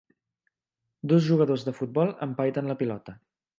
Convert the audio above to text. Dos jugadors de futbol empaiten la pilota